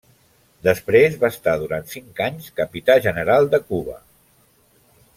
Després va estar durant cinc anys Capità general de Cuba.